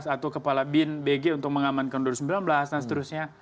atau kepala bin bg untuk mengamankan dua ribu sembilan belas dan seterusnya